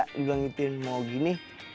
dia bilang gitu mau gini